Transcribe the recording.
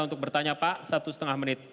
untuk bertanya pak satu setengah menit